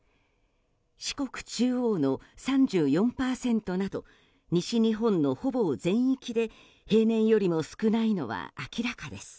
四国中央の３４％など西日本のほぼ全域で平年よりも少ないのは明らかです。